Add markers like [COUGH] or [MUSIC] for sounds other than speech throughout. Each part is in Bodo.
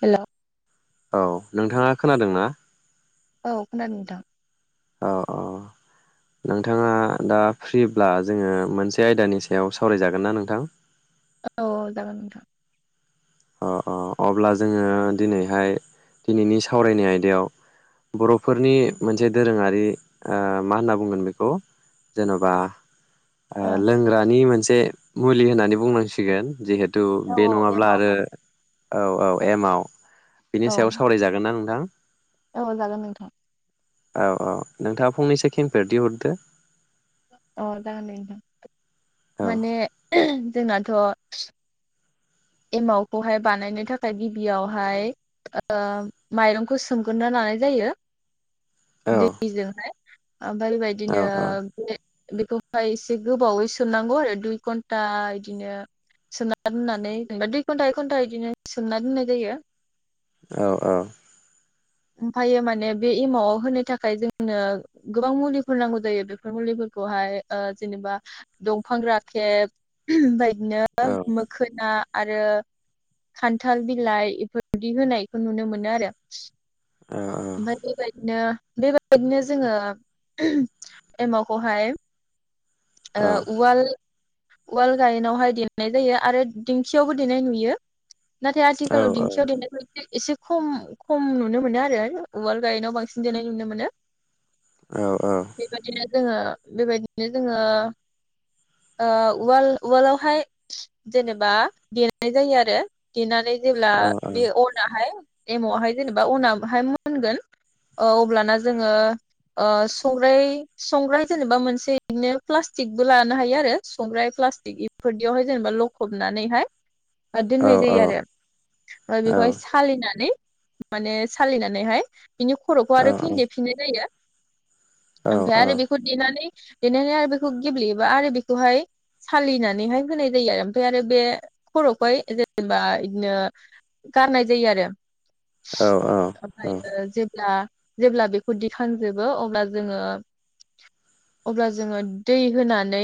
हेल'। औ नोंथाङा खोनादों ना। औ खोनादों नोंथां। औ औ नोंथाङा दा फ्रिब्ला जोङो मोनसे आयदानि सायाव सावरायजागोन ना नोंथां। औ जागोन नोंथां। अ अ अब्ला जोङो दिनैहाय दिनैनि सावरायनाय आयदायाव बर'फोरनि मोनसे दोरोङारि मा होनना बुंगोन बेखौ जेन'बा ओ लोंग्रानि मोनसे एसे मुलि होननानै बुंनांसिगोन जिहेतु थु औ बे औ नङाब्ला एमाव आरो। औ औ एमाव। बिनि औ सायाव सावरायजागोन ना नोंथां। औ जागोन नोंथां। औ औ नोंथाङा फंनैसो केिनफेरथी हरदो। अ जागोन दे नोंथां। औ माने। जोंनाथ' एमावखौहाय बानायनो थाखाय गिबियावहाय ओ माइरंखौ सोमग्रोना लानाय जायो। औ दैजोंहाय ओमफ्राय औ बेबायदिनो बेखौहाय एसे गोबावै सोनांगौ आरो दुइ घन्टा बिदिनो सोना दोननानै जेनेबा दुइ घन्टा एक घन्टा बिदिनो सोंना दोननाय जायो। औ औ। ओमफ्रायो माने बे एमावआव होनो थाखाय जोंनो गोबां मुलिफोर नांगौ जायो बेफोर मुलिफोरखौहाय ओ जेनेबा दंफां राखेब बाय बिदिनो औ मोखोना आरो खान्थाल बिलाइ बेफोरबायदि होनायखौ नुनो मोनो आरो। औ [INAUDIBLE] बेबादिनो। बेबायबायदिनो जोङो एमावखौहाय ओ उवाल लवाल गाहेनावहाय देनाय जायो आरो दिंखियावबो देनाय नुयो नाथाय आथिखालाव दिंखियाव दनायसे एसे खम खम नुनो मोनो आरो उधार गाहेनआव बांसिन देनाय नुनो मोनो औ औ बेबायदिनो जोङो बेबायदिनो जोङो उवाल उवाल आवहाय जेनेबा देनाय जायो आरो देनानै जेब्ला बे अन हाय एमावहाय जेनबा उनावहाय मोनगोन अब्लाना जोङो ओ संग्र संग्राय जेनेबा मोनसेनो पस्टिकबो लानो हायो आरो संग्राय प्लास्टिक बेफोरनियावहाय जेनेबा लखबनानैहाय दोननाय जायो आरो ओ बेखौहाय सालिनानै माने सालिनानैहाय बिनि खर'खौ आरो फिनदेफिननाय जायो ओफ्राय आरो बेखौ दिनानानै बेनिखाय आरो बेखौ गेब्लेयोबा आरो बेखौहाय सालिनानैहाय होनाय जायो आरो ओमफ्राय आरो बे खर'खौहाय जेनेबा इदिनो गारनाय जायो आरो ओमफ्रायो जेब्ला जेब्ला बेखौ दिखांजोबो अब्ला जोङो-अब्ला जोङो दै होनानै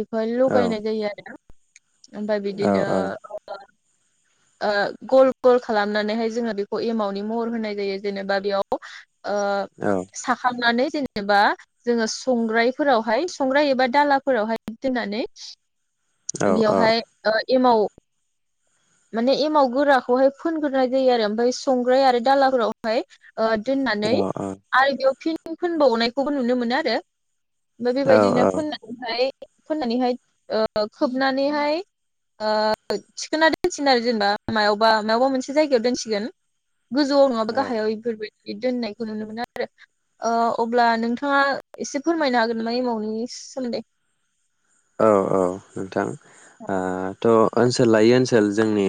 बिखौहाय लगायनाय जायो आरोना ओमफ्राय बिदिनो ओ गल-गल खालामनानैहाय जोङो बे एमावनि महर होनाय जायो जेनेबा बेयाव ओ साखांनानै जेनेबा जोङो संग्रायफोरावहाय संग्राय एबा दालाफोरावहाय दोननानै बेवहाय ओ एमाव माने एमाव गोराखौहाय फोनग्रोनाय जायो आरो ओमफ्राय संग्राय आरो दालाफोरावहाय ओ दोननानै आरो बेयाव फिन फोनबावनायखौबो नुनो मोनो आरो ओमफ्राय बेबायदिनो फुननानैहाय फोननानैहाय ओ खोबनानैहाय ओ थिखोना दोनसिगोन आरो जेनेबा मायावबा-मायावबा मोनसे जायगायाव दोनसिगोन गोजौवआव नङाबा गाहायाव इफोरबाय दोननायखौ नुनो मोनो आरो ओ अब्ला नोंथाङा एसे फोरमायनो हागोन नामा एमाउनि सोमोन्दै औ-औ नोंथां ओ थ' ओनसोल लायै ओनसोल जोंनि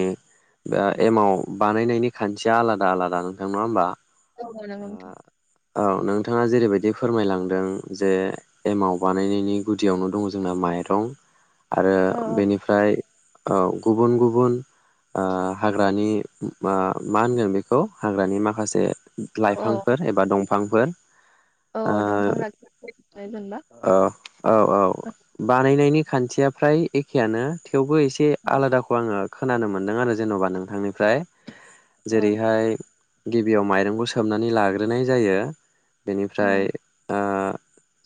बा एमाव औ नंगौ नोंथां औ नोंथाङा जेरैबायदि फोरमायलांदों जे एमाव बानायनायनि गुदियावनो दङ जोंना माइरं आरो औ बेनिफ्राय औ गुबुन-गुबुन ओ हाग्रानि ओ मा होनगोन बेखौ हाग्रानि माखासे औ लाइफांफोर एबा दंफां फांफोर औ दंफां राखेब होयो मोनबा ओ औ औ बानायनायनि खान्थिया फ्राय एखेयानो थेवबो एसे आलादाखौ आङो खोनानो मोन्दों आरो जेन'बा नोंथांनिफ्राय औ जेरैहाय गिबियाव माइरंखौ सोमनानै लाग्रोनाय जायो औ बेनिफ्राय ओ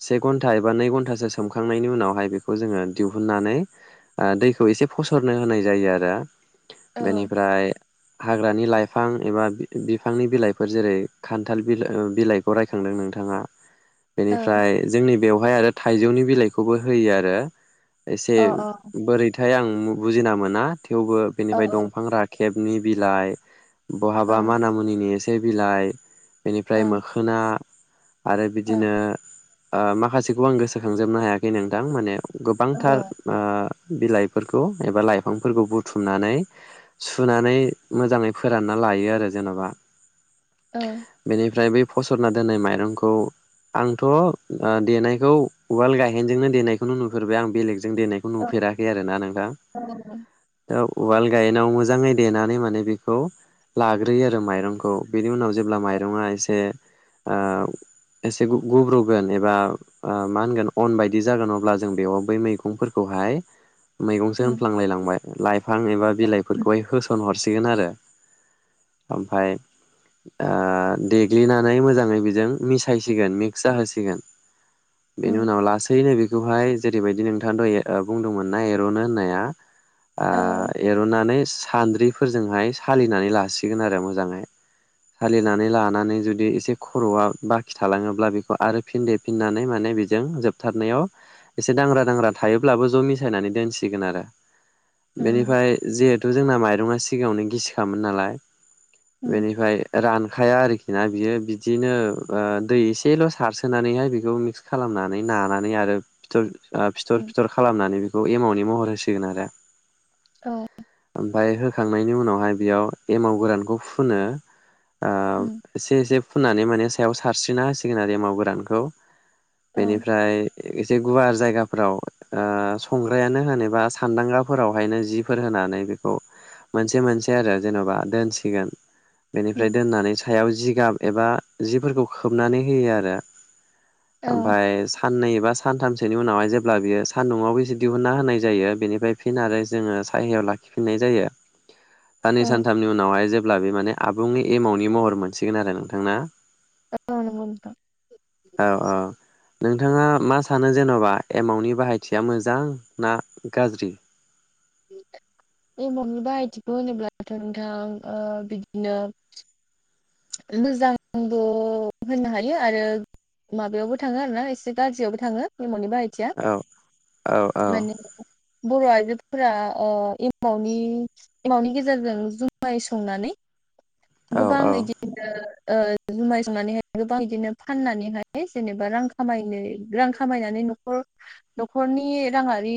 से घन्टा एबा नै घन्टासो सोमखांनायनि उनावहाय बेखौ जोङो दिहुनन्नानै ओ दैखौ एसे फसरनो होनाय जायो आरो बेनिफ्राय हाग्रानि लाइफां एबा बि बिफांनि बिलाइ फोर जेरै खान्थाल बिलाइ ओ बिलाइखौ रायखांदों नोंथाङा बेनिफ्राय जोंनि बेवहाय आरो थाइजौनि बिलाइखौबो होयो आरो एसे बोरै ओमफ्राय आं बुजिना मोना थेवबो बेनिफ्राय दंफां राखेब नि बिलाइ बहाबा मानामुनिनि बे बिलाइ बेनिफ्राय मोखोना आरो बिदिनो ओ माखासेखौ आं गोसोखांजोबनो हायाखै नोंथां माने गोबांथार ओ बिलाइफोरखौ एबा लाइफांफोरखौ बुथुमनानै सुनानै मोजाङै फोरानना लायो आरो जेन'बा बेनिफ्राय बेै फसरना दोननाय माइरंखौ आंथ' ओ देनायखौ उवाल गायहेनजोंनो देनायखौनो नुफेरबाय आं बेलेग जों देनायखौ नुफेराखै आरोना नोंथां। औ उवाल गायहेनाव मोजाङै देनानै माने बेखौ लाग्रोयो आरो माइरंखौ। बिनि उनाव जेब्ला माइरङा एसे ओ एसे गु गुब्रुगोन एबा ओ मा होनगोन अन बायदि जागोन अब्ला जों बेयाव बै मैगंफोरखौहाय मैगंसो होनफ्लांलाय लांबाय लाइफ फां एबा बिलाइफोरखौहाय होसन हरसि गोन आरो ओमफ्राय ओ देग्लिनानै मोजाङै बेजों मिसायसिगोन मिक्स जाहोसिगोन बेनि उनाव लासैनो बे खौहाय जेरैबायदि नोंथाङा दहै ओ बुंदोंमोन ना एर'नो होननाया ओ एरननानै सान्द्रिफोरजोंहाय सालिनानै लासिगोन आरो मोजांयै। सालिनानै लानानै जुदि एसे खर'आ बाखि थालाङोब्ला बेखौ आरो फिन देफिननानै माने बेजों जोबथारनायाव एसे दांग्रा दांग्रा थायोब्लाबो ज' मिसायनानै दोनसिगोन आरो। बेनिफ्राय जेह थु जोंना माइरङा सिगाङावनो गिसिखामोन नालाय बेनिफ्राय रान खाया आरोखि ना बियो बिदिनो ओ दै एसेल' सारसोनानैहाय बेखौ मिक्स खालामनानै नानानै आरो फिथर ओ फिथर फिथर खालामनानै बेखौ बे एमावनि महर होसिगोन आरो। ओमफ्राय होखांनाय नि उनावहाय बेयाव एमाव गोरानखौ फोनो। ओ एसे एसे फुनानै माने सायाव सारस्रिना होसिगोन आरो एमाव गोरानखौ। बेनिफ्राय एसे गुवार जायगाफोराव ओ संग्रायानो होनोब बा सान्दांगाफोरावहायनो जिफोर होनानै बेखौ मोनसे मोनसे आरो जेन'बा दोनसिगोन। बेनिफ्राय दोननानै सायाव जिगाब एबा जिफोरखौ खोबनानै होयो आरो। औ ओमफ्राय साननै एबा सानथामसोनि उनावहाय जेब्ला बियो सान्दुंङावबो एसे दिहुनना होनाय जायो बेनिफ्राय फिन आरो जोङो सायहायाव लाखिफिननाय जायो। साननै औ सानथामनि उनावहाय जे अब्ला बे माने आबुङै एमाउनि महर मोनसिगोन आरो नोंथां ना औ नंगौ नोंथां। औ औ नोंथाङा मा सानो जेनबा एमाउनि बाहायथिया मोजां ना गाज्रि एमावनि बाहायथिखौ होनोब्लाथ नोंथां ओ बिदिनो मोजांबो होननो हायो आरो माबायावबो थाङो आरोना एसे गाज्रियावबो थाङो एमावनि बाहायथिया औ औ औ माने बर आइजोफोरा ओ एमावनि एमावनि गेजेरजों जुमाय संनानै औ गोबां औ बिदि ओ जुमाय संनानैहाय गोबां बिदिनो फाननानैहाय जेनेबा रां खामायनो रां खामायनानै नखर नखरनि राङारि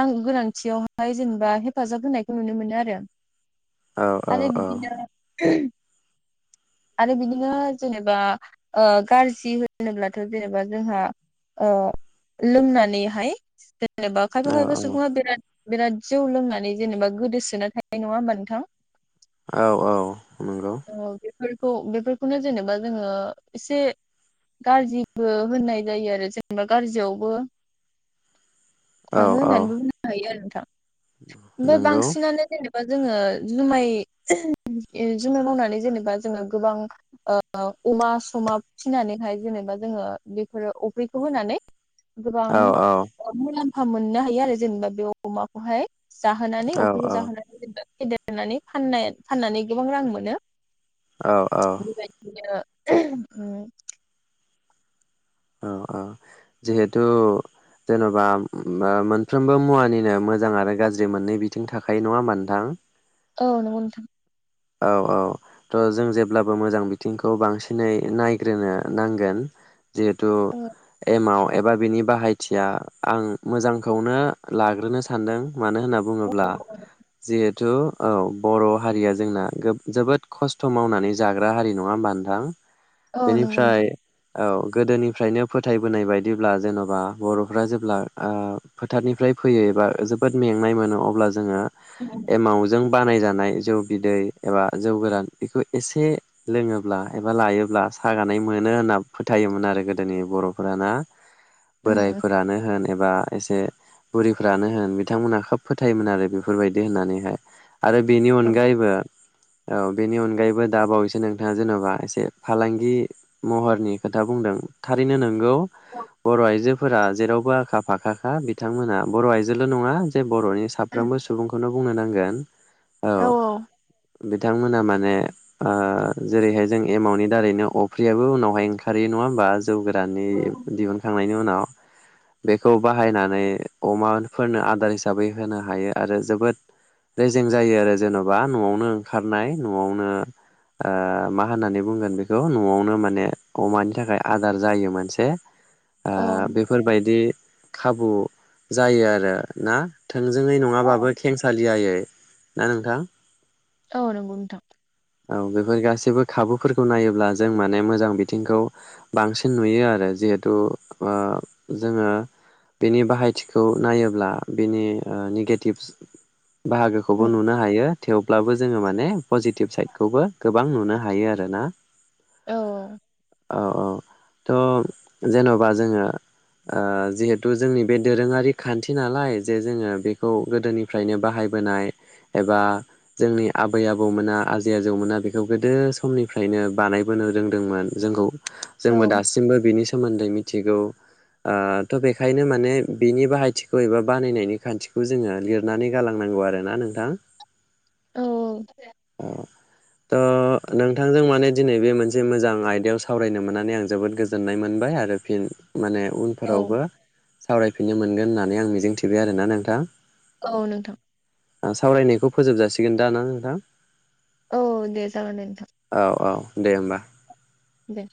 नां गोनांथियावहाय जेनेबा हेफाजाब होनायखौ नुनो मोनो आरो औ आरो बिदिनो आरो बिदिनो जेनेबा ओ गाज्रि होनोब्लाथ जेनेबा जोंहा ओ लोंनानैहाय जेनेबा खायफा खायफा सुबुङा बिराद बिराद जौ लोंनानै जेनेबा गोदोसोना थायो नङा होमबा नोंथां औ नंगौ औ बे बेफोरखौ बेफोरखौनो जेनेबा जोङो एसे गाज्रिबो होननाय जायो आरो जेनेबा गाज्रियावबो औ थाङो औ होननानैबो बुंनो हायो आरो [UNINTELLIGIBLE] बा नंगौ जोङो जुमाय [UNINTELLIGIBLE] जुमाय मावनानै जेनेबा जोङो गोबां ओ अमा समा फिसिनानैहाय जेनेबा जोङो बेफोरो अफ्रिखौ होनानै गोबां औ औ [UNINTELLIGIBLE] [UNINTELLIGIBLE] मोननो हायो आरो जेनेबा बे अमाखौहाय जाहोनानै औ अफ्रिखौ जाहोनानै फेदेरनानै फाननाय फाननानै गोबां रां मो नो औ बिबायदिनो उम औ औ जिहेथु जेनबा मोनफ्रोमबो मुवानिनो मोजां आरो गाज्रि मोननै बिथिं थाखायो नङा होमबा नोंथां औ नंगौ नोंथां औ औ थ जों जेब्लाबो मोजां बिथिंखौ बांसिनै नायग्रोनो नांगोन जिहेथु औ एमाव एबा बिनि बाहायथिया आं मोजांखौनो लाग्रोनो सानदों मानो होनना बुङोब्ला जिहे थु औ बर हारिया जोंना गोब जोबोद खस्थ मावनानै जाग्रा हारि नङा होमबा नोंथां औ नंगौ नोंथां बेनिफ्राय औ गोदोनिफ्रायनो फोथायबोनाय बायदिब्ला जेनबा बरफ्रा जेब्ला ओ फोथारनिफ्राय फैयो एबा जोबोद मेंनाय मोनो अब्ला जोङो एमावजों बानायजानाय जौ बिदै एबा जौ गोरान बेखौ एसे लोङोब्ला एबा लायोब्ला सागानाय मोनो होनना फोथायोमोन आरो गोदोनि बर'फोरा ना। औ बोरायफोरानो होन एबा एसे बुरिफ्रानो होन बिथांमोनहा खोब फोथायोमोन आरो बेफोरबायदि होननानैहाय। आरो बेनि अनगायैबो औ बेनि अनगायैबो दा बावैसो नोंथाङा जेन'बा एसे फालांगि महरनि खोथा बुंदों थारैनो नों गौ बर' आइजो फोरा जेरावबो आखा फाखाखा बिथांमोना बर' आयजोल' नङा जे बर'नि साफ्रोमबो सुबुंखौनो बुंनो नांगोन औ औ। बिथांमोना माने ओ जेरैहाय जों एमावनि दारैनो अफ्रियाबो उनावहाय ओंखारो नङा होमबा। जौ गोराननि दिहुनखांनायनि उनाव बेखौ बाहायनानै अमाफोरनो आदार हिसाबै होनो हायो आरो जोबोद रेजें जायो आरो जेन'बा न'आवनो ओंखारनाय न'आवनो ओ मा होननानै बुंगोन बेखौ न'आवनो माने अमानि थाखाय आदार जायो मोनसे। ओ औ बेफोरबायदि खाबु जायो आरो ना। थोंजोङै औ नङाबाबो खेंसालियायै ना नोंथां? औ नोंगौ नोंथां। औ बेफोर गासैबो खाबुफोरखौ नायोब्ला जों माने मोजां बिथिंखौ बांसिन नुयो आरो जिहेथु ओ जोङो बेनि बाहायथिखौ नायोब्ला बिनि ओ निगेटिभस बाहागोखौबो नुनो हायो थेवब्लाबो जोङो माने पजिटिभ साइदखौबो गोबां नुनो हायो आरो ना। औ औ। औ औ थ' जेन'बा जोङो ओ जिहेथु जोंनि बे दोरोङारि खान्थि नालाय जे जोङो बेखौ गोदोनिफ्रायनो बाहायबोनाय एबा जोंनि आबै आबौमोना आजै आजौ मोना बेखौ गोदो समनिफ्रायनो बानायबोनो रोंदोंमोन जोंखौ जोंबो औ दासिमबो बिनि सोमोन्दै मिथिगौ ओ थ' बेखायनो माने बिनि बाहायथिखौ एबा बानायनायनि खान्थिखौ जोङो लिरनानै गालांनांगौ आरोना नोंथां‌। औ अ। थ' नोंथांजों माने दिनै बे मोनसे मोजां आयदायाव सावरायनो मोननानै आं जोबोद गोजोननाय मोनबाय आरो फिन माने औ उनफोरावबो सावरायफिननो मोनगोन होननानै आं मिजिंथिबाय आरोना नोंथां। औ नोंथां। ओ सावरायनायखौ फोजोबजा सिगोन दा ना नोंथा? औ दे जागोन दे नोंथां। औ दे होमबा। दे।